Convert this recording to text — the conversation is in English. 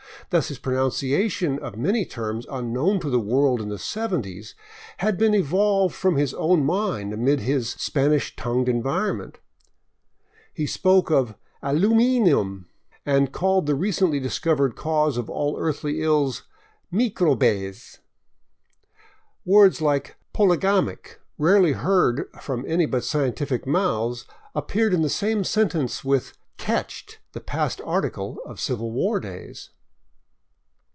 Thus his pronunciation of many terms unknown to the world in the seventies had been evolved from his own mind amid his Spanish tongued environment. He spoke of *^ alumeenum," and called the recently discovered cause of all earthly ills " Mee crow bays." W^ords like " poligamic," rarely heard from any but scientific mouths, appeared in the same sentence with " ketched," the past participle of Civil War days.